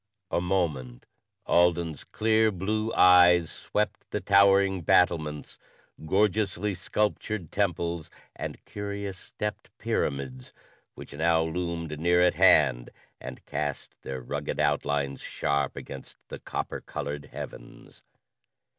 A moment Alden's clear, blue eyes swept the towering battlements, gorgeously sculptured temples and curious stepped pyramids, which now loomed near at hand and cast their rugged outlines sharp against the copper colored heavens.